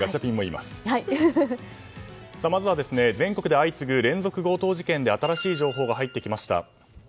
まずは、全国で相次ぐ連続強盗事件で新しい情報が入ってきました。